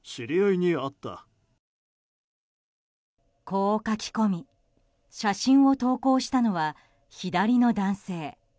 こう書き込み写真を投稿したのは、左の男性。